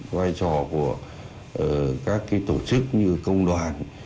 hoặc của các cái tổ chức như công đoàn